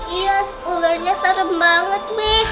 iya ulernya serem banget be